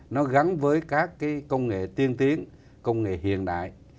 nó gắn với các cái công nghệ tiên tiến công nghệ hiện đại